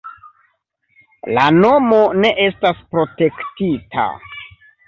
La nomo ne estas protektita.